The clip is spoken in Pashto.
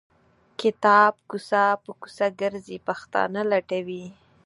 کتاب کوڅه په کوڅه ګرځي پښتانه لټوي.